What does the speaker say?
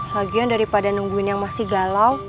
bagian daripada nungguin yang masih galau